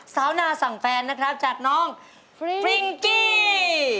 สาวนาสั่งแฟนนะครับจากน้องฟริ้งกี้